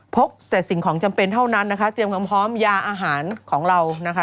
กแต่สิ่งของจำเป็นเท่านั้นนะคะเตรียมความพร้อมยาอาหารของเรานะคะ